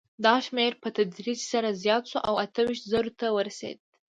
دا شمېر په تدریج سره زیات شو او اته ویشت زرو ته ورسېد.